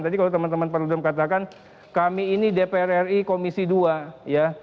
tadi kalau teman teman perludem katakan kami ini dpr ri komisi dua ya